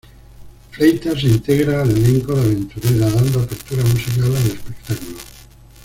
Fleitas se integra al elenco de Aventurera dando apertura musical al espectáculo.